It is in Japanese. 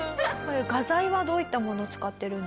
画材はどういったものを使ってるんですか？